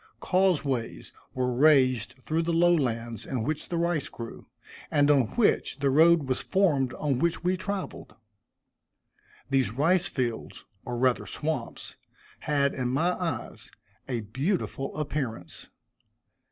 Causeways were raised through the low lands in which the rice grew, and on which the road was formed on which we traveled. These rice fields, or rather swamps, had, in my eyes, a beautiful appearance.